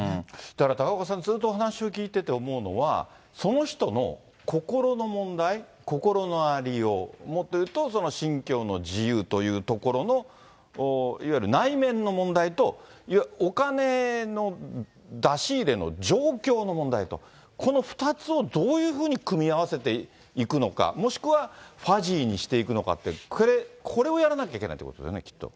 だから、高岡さん、ずっとお話を聞いてて思うのが、その人の心の問題、心のありよう、もっと言うと信教の自由というところのいわゆる内面の問題と、お金の出し入れの状況の問題と、この２つをどういうふうに組み合わせていくのか、もしくはファジーにしていくのかって、これをやらなきゃいけないということですよね、きっと。